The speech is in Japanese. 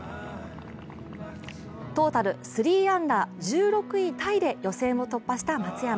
トータル３アンダー、１６位タイで予選を突破した松山。